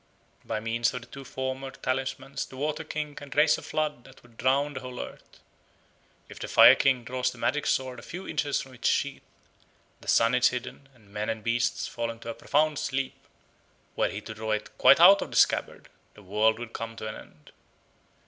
By means of the two former talismans the Water King can raise a flood that would drown the whole earth. If the Fire King draws the magic sword a few inches from its sheath, the sun is hidden and men and beasts fall into a profound sleep; were he to draw it quite out of the scabbard, the world would come to an end.